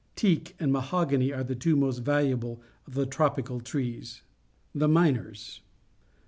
Teak and mahog any are the two most valuable of the tropical trees. The Miners.